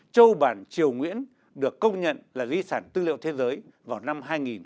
châu bản triều nguyễn được công nhận là di sản tư liệu thế giới vào năm hai nghìn một mươi